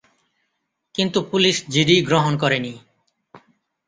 কিন্তু police GD গ্রহণ করেনি।